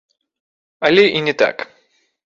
Але і не так.